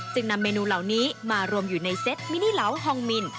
นำเมนูเหล่านี้มารวมอยู่ในเซตมินิเหลาฮองมิน